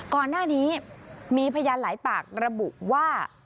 ก่อนหน้านี้มีพยานหลายปากระบุว่า